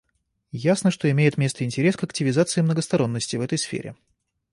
Ясно, что имеет место интерес к активизации многосторонности в этой сфере.